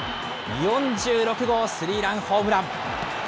４６号スリーランホームラン。